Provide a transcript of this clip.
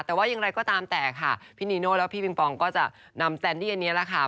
แต่ว่าอย่างไรก็ตามแต่ค่ะพี่นีโน่แล้วพี่ปิงปองก็จะนำแซนดี้อันนี้แหละค่ะ